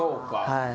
はい。